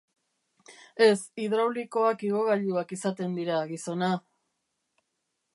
Ez, hidraulikoak igogailuak izaten dira, gizona...